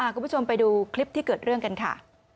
คุณผู้ชมไปดูคลิปที่เกิดเรื่องกันค่ะ